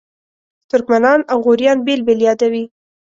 ترکمنان او غوریان بېل بېل یادوي.